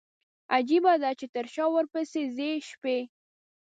عجيبه ده، چې تر شا ورپسي ځي شپي